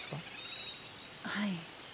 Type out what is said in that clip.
はい。